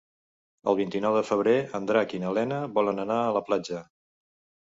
El vint-i-nou de febrer en Drac i na Lena volen anar a la platja.